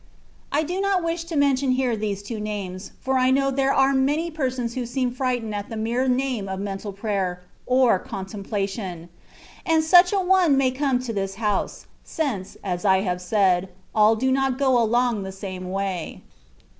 I do not wish to mention here these two names, for I know there are many persons who seem frightened at the mere name of mental prayer, or contemplation : and such an one may come to this house, since (as I have said) all do not go along the same way.